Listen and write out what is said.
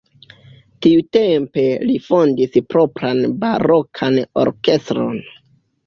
Tiutempe li fondis propran barokan orkestron.